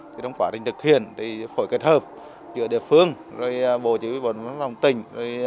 trong quá trình thực hiện phối hợp giữa địa phương bộ chủ yếu bộ đội biên phòng tỉnh